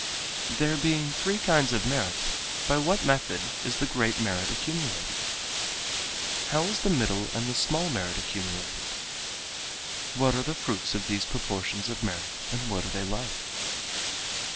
There being three kinds of merit, by what method is the great merit accumulated? How is the middle and the small merit accumulated? What are the fruits of these proportions of merit and what are they like?